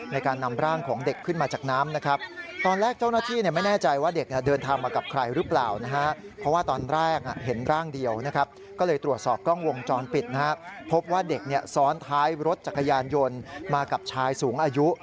ให้รถจักรยานยนต์มากับชายสูงอายุ